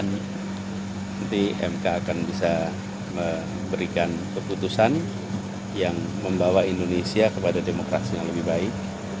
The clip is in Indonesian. nanti mk akan bisa memberikan keputusan yang membawa indonesia kepada demokrasi yang lebih baik